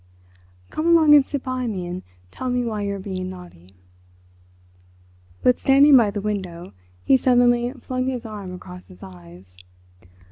"Come along and sit by me and tell me why you're being naughty." But, standing by the window, he suddenly flung his arm across his eyes.